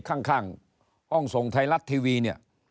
ข้างห้องส่งไทยรัฐทีวีเนี่ย